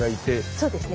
そうですね。